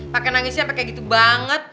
pake nangisnya pake gitu banget